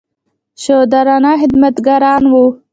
شودران خدمتګاران وو.